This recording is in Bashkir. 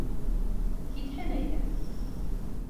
Китһен әйҙә.